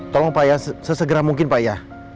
tolong pak ya sesegera mungkin pak ya